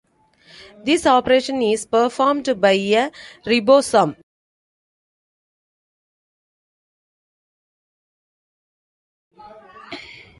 This operation is performed by a ribosome.